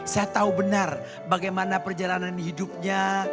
saya tahu benar bagaimana perjalanan hidupnya